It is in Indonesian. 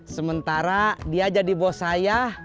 sementara dia jadi bos saya